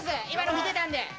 今の見てたんで！